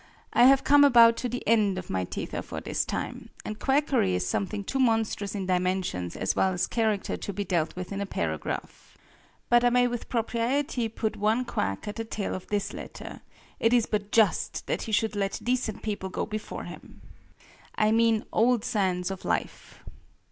I have come about to the end of my tether for this time; and quackery is something too monstrous in dimensions as well as character to be dealt with in a paragraph. But I may with propriety put one quack at the tail of this letter; it is but just that he should let decent people go before him. I mean "Old Sands of Life."